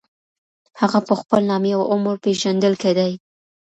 هغه په خپل نامې او عمر پېژندل کېدی.